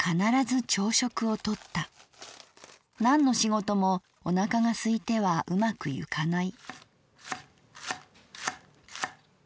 なんの仕事もおなかがすいてはうまくゆかない」。